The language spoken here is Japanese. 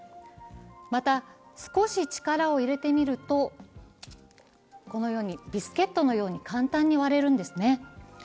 また、少し力を入れてみるとこのようにビスケットのように簡単に割れるんですね。